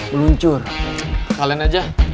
muncur kalian aja